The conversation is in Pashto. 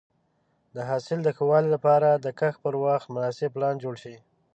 د حاصل د ښه والي لپاره د کښت پر وخت مناسب پلان جوړ شي.